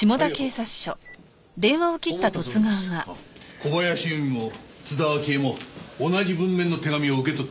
小林由美も津田明江も同じ文面の手紙を受け取っていました。